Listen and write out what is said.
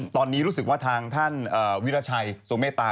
ตอนนี้รู้สึกว่าทางท่านวิราชัยโซเมตตา